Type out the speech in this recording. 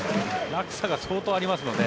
落差が相当ありますので。